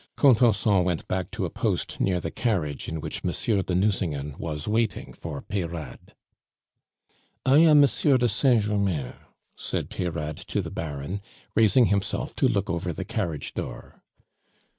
Contenson went back to a post near the carriage in which Monsieur de Nucingen was waiting for Peyrade. "I am Monsieur de Saint Germain," said Peyrade to the Baron, raising himself to look over the carriage door.